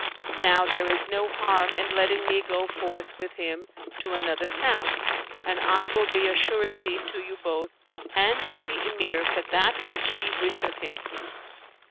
Now there is no harm in letting me go forth with him to another town, and I will be a surety to you both and to the Emir for that which ye wish of him."